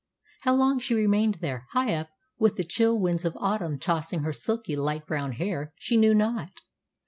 How long she remained there, high up, with the chill winds of autumn tossing her silky, light brown hair, she knew not.